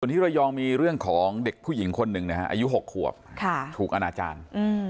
ที่ระยองมีเรื่องของเด็กผู้หญิงคนหนึ่งนะฮะอายุ๖ขวบถูกอนาจารย์